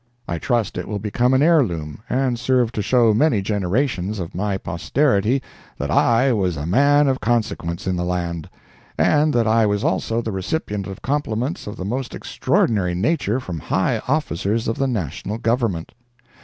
I trust it will become an heirloom and serve to show many generations of my posterity that I was a man of consequence in the land—that I was also the recipient of compliments of the most extraordinary nature from high officers of the national government.